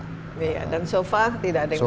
iya dan so far tidak ada yang kecampur